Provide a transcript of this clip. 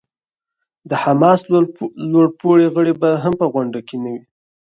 د حماس لوړ پوړي غړي به هم په غونډه کې نه وي.